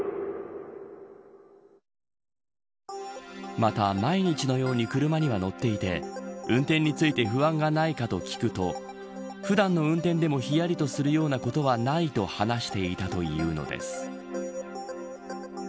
また、毎日のように車には乗っていて運転について不安がないかと聞くと普段の運転でもひやりとするようなことはないと話していたというのです。